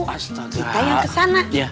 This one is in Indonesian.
astaga yang kesana